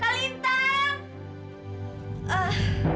kalintang kemana sih